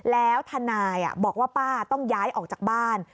แล้วทนายบอกว่าป้าต้องย้ายออกจากบ้าน